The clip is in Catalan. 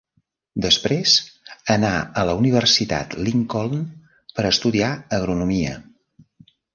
Després anà a la Universitat Lincoln per estudiar agronomia.